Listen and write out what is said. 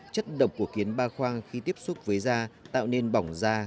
chất độc của kiến ba khoang khi tiếp xúc với da tạo nên bỏng da